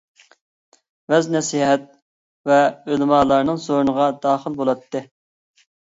ۋەز-نەسىھەت ۋە ئۆلىمالارنىڭ سورۇنىغا داخىل بولاتتى.